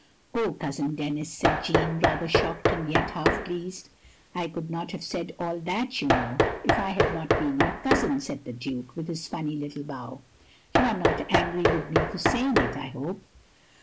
" "Oh, Cousin Denis!" said Jeanne, rather shocked, and yet half pleased. "I could not have said all that, you know — if I had not been your cousin," said the Duke, with his funny little bow. "You are not angry with me for saying it, I hope?"